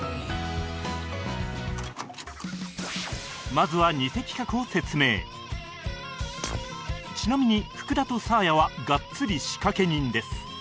まずはちなみに福田とサーヤはがっつり仕掛け人です